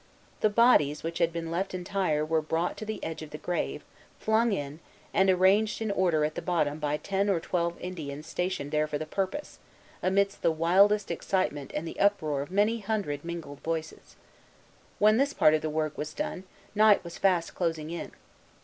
The bodies which had been left entire were brought to the edge of the grave, flung in, and arranged in order at the bottom by ten or twelve Indians stationed there for the purpose, amid the wildest excitement and the uproar of many hundred mingled voices. When this part of the work was done, night was fast closing in.